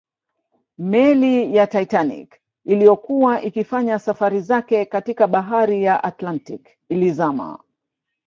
Meli ya Titanic iliyokuwa ikifanya safari zake katika bahari ya Atlantic ilizama